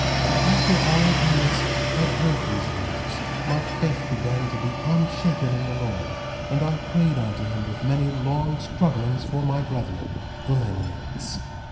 1:11 And after I, Enos, had heard these words, my faith began to be unshaken in the Lord; and I prayed unto him with many long strugglings for my brethren, the Lamanites.